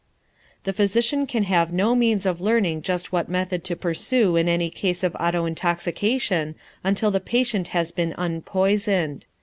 The physician can have no means of learning just what method to pursue in any case of auto intoxication until the patient has been unpoisoned.